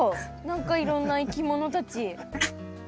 何かいろんないきものたち。